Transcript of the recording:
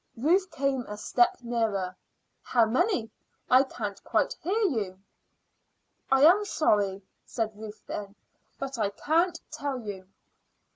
Ruth came a step nearer. "How many? I can't quite hear you." "I am sorry," said Ruth then, "but I can't tell you."